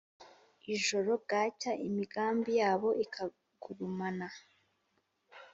ijoro bwacya imigambi yabo ikagurumana